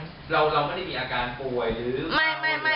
เราก็ได้มีอาการป่วยหรือ